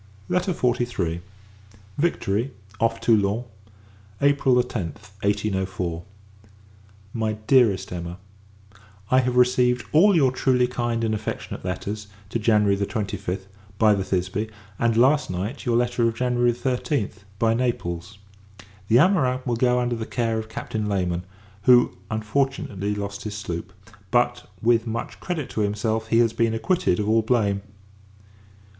LETTER XLIII. Victory, off Toulon, April 10th, 1804. MY DEAREST EMMA, I have received all your truly kind and affectionate letters, to January 25th, by the Thisbe; and, last night, your letter of January 13th, by Naples. The amorins will go under the care of Captain Layman; who, unfortunately, lost his sloop: but, with much credit to himself, he has been acquitted of all blame.